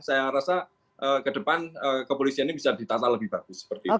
saya rasa ke depan kepolisian ini bisa ditata lebih bagus